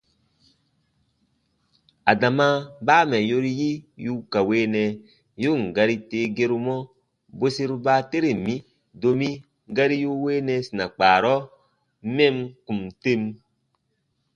Adama baa mɛ̀ yori yi yu ka weenɛ, yu ǹ gari tee gerumɔ bweseru baateren mi, domi gari yu weenɛ sina kpaarɔ mɛm kùn tem.